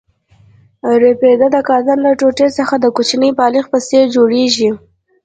رپیده د کتان له ټوټې څخه د کوچني بالښت په څېر جوړېږي.